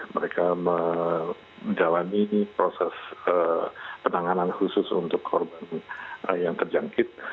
mereka menjalani proses penanganan khusus untuk korban yang terjangkit